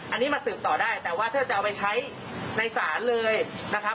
อันนี้มาสืบต่อได้แต่ว่าถ้าจะเอาไปใช้ในศาลเลยนะครับ